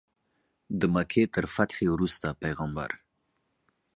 د مکې تر فتحې وروسته پیغمبر.